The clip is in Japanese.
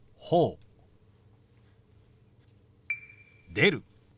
「出る」。